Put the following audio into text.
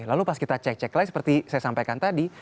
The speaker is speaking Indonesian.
lalu pas kita cek cek lain seperti saya sampaikan tadi